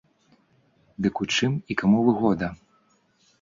Дык у чым і каму выгода?